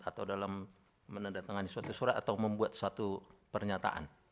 atau dalam menandatangani suatu surat atau membuat suatu pernyataan